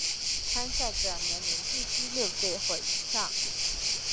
参赛者年龄必须六岁或以上。